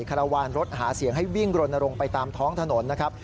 คารวาลรถหาเสียงให้วิ่งรณรงค์ไปตามท้องถนนนะครับ